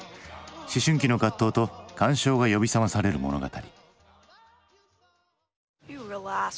思春期の葛藤と感傷が呼び覚まされる物語。